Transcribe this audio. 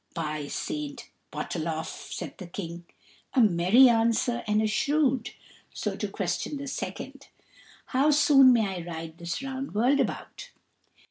"By St. Botolph," said the King, "a merry answer and a shrewd; so to question the second. How soon may I ride this round world about?"